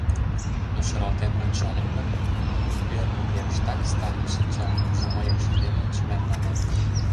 Но шаралтен ончальым гын — пӧрвый верыштак Сталин шинча, кужу мыйыкше дене чыганланен.